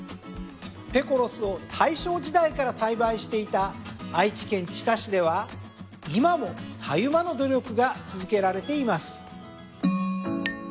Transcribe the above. ペコロスを大正時代から栽培していた愛知県知多市では今もたゆまぬ努力が続けられています。